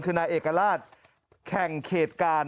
คือนายเอกลาศแข่งเขตการ